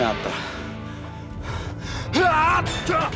akan kubungi mereka